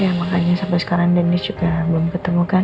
ya makanya sampai sekarang dennis juga belum ketemu kan